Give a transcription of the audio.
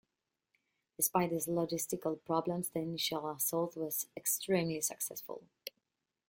Despite these logistical problems, the initial assault was extremely successful.